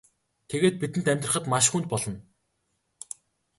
Тэгээд бидэнд амьдрахад маш хүнд болно.